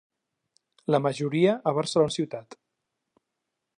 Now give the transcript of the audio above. La majoria a Barcelona ciutat.